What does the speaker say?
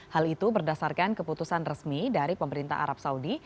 hal itu berdasarkan keputusan resmi dari pemerintah arab saudi